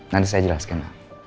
nanti saya jelaskan